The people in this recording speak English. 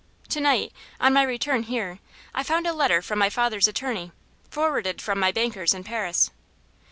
To night, on my return here, I found a letter from my father's attorney, forwarded from my bankers in Paris.